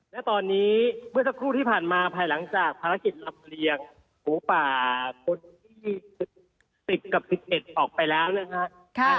และตอนนี้เมื่อสักครู่ที่ผ่านมาภายหลังจากภารกิจลำเลียงหมูป่าคนที่๑๐กับ๑๑ออกไปแล้วนะครับ